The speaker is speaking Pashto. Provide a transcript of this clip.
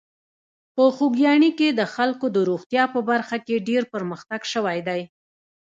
په خوږیاڼي کې د خلکو د روغتیا په برخه کې ډېر پرمختګ شوی دی.